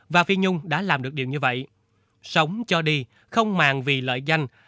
và phi nhung đã làm được điều như vậy sống cho đi không màng vì lợi danh